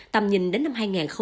tầm nhìn đến năm hai nghìn năm mươi